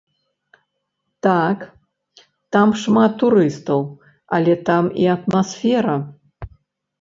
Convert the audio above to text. Так, там шмат турыстаў, але там і атмасфера!